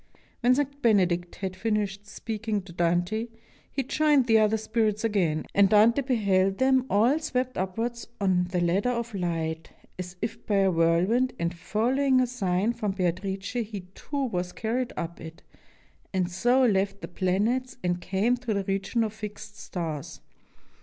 ] When St. Benedict had finished speaking to Dante, he joined the other spirits again, and Dante beheld them all swept upwards on the ladder of light, as if by a whirl wind, and following a sign from Beatrice he too was car ried up it, and so left the planets and came to the region of Fixed Stars.